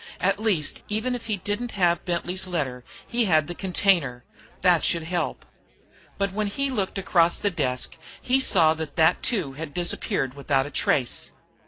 At least, even if he didn't have Bentley's letter, he had the container. That should help. But when he looked across the desk, he saw that it too had disappeared, without a trace.